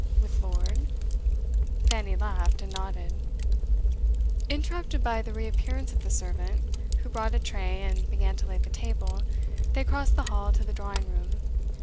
'With Lord?' Fanny laughed and nodded. Interrupted by the reappearance of the servant, who brought a tray and began to lay the table, they crossed the hall to the drawing room.